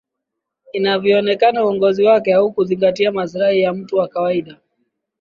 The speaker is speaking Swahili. inavyoonekana uongozi wake haukuzingatia maslahi ya mtu wa kawaida